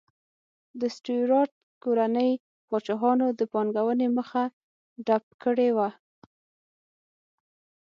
د سټیورات کورنۍ پاچاهانو د پانګونې مخه ډپ کړې وه.